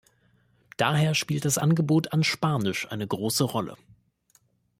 Daher spielt das Angebot an Spanisch eine große Rolle.